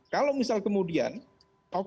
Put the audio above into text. kalau misal kemudian pokok yang dianggap sebagai